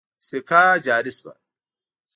سکه جاري شوه.